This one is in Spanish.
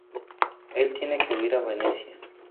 Él tiene que huir a Venecia.